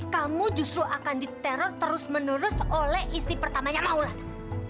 kamu justru akan diteror terus menerus oleh isi pertamanya maulana